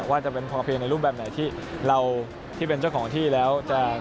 ว่าจะเป็นพอเพียงในรูปแบบไหนที่เราที่เป็นเจ้าของที่แล้วจะ